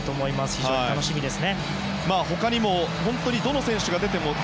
非常に楽しみです。